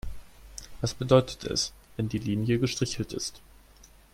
Was bedeutet es, wenn die Linie gestrichelt ist?